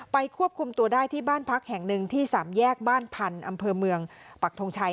ควบคุมตัวได้ที่บ้านพักแห่งหนึ่งที่สามแยกบ้านพันธุ์อำเภอเมืองปักทงชัย